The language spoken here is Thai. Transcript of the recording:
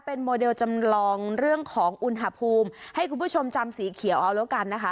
เป็นโมเดลจำลองเรื่องของอุณหภูมิให้คุณผู้ชมจำสีเขียวเอาแล้วกันนะคะ